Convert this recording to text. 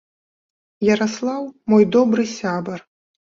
Яраслаў мой добры сябар.